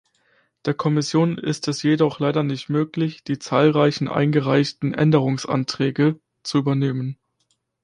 Der Kommission ist es jedoch leider nicht möglich, die zahlreichen eingereichten Änderungsanträge zu übernehmen.